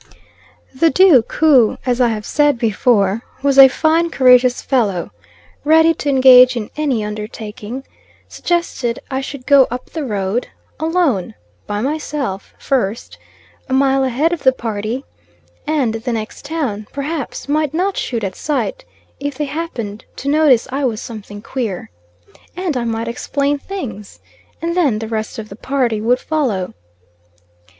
The Duke, who as I have said before, was a fine courageous fellow, ready to engage in any undertaking, suggested I should go up the road alone by myself first a mile ahead of the party and the next town, perhaps, might not shoot at sight, if they happened to notice I was something queer; and I might explain things, and then the rest of the party would follow.